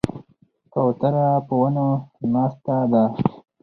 کوتره په ونو ناسته ده.